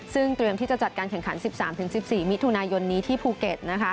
ซึ่งเตรียมที่จะจัดการแข่งขัน๑๓๑๔มิถุนายนนี้ที่ภูเก็ต